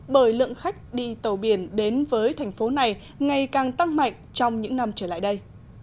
bởi lượng khách đi tàu biển đến với thành phố này ngày càng tăng mạnh trong những năm trở lại đây